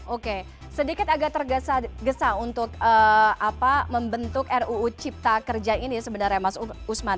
oke sedikit agak tergesa untuk membentuk ruu cipta kerja ini sebenarnya mas usman